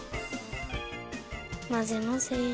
まぜまぜ。